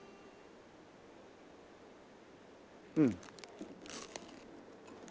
うん。